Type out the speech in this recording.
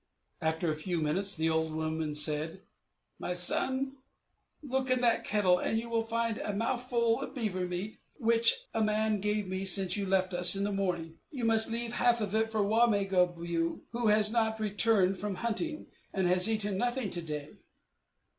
After a few minutes, the old woman said, "My son, look in that kettle, and you will find a mouthful of beaver meat, which a man gave me since you left us in the morning. You must leave half of it for Wa me gon a biew, who has not yet returned from hunting, and has eaten nothing to day.